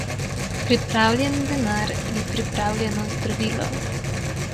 Pripravljen denar je pripravljeno zdravilo.